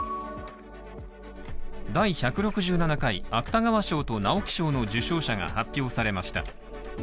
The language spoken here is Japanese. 第１６７回芥川賞と直木賞の受賞者が発表されました。